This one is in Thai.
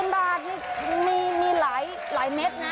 ๔๐๐๐๐บาทมีหลายเม็ดนะ